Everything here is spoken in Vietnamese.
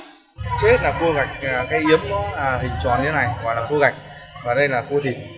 trước hết là cua gạch cái yếm nó hình tròn như thế này gọi là cua gạch và đây là cua thịt